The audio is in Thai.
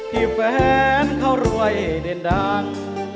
ที่แฟนเขารวยเด่นดัง